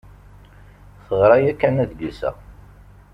Teɣra yakan adlis-a.